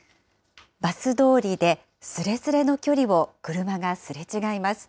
バス通りですれすれの距離を車がすれ違います。